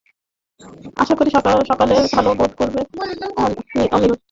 আশা করি সকালে ভালো বোধ করবে, এমিল।